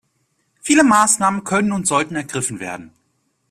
Viele Maßnahmen können und sollten ergriffen werden.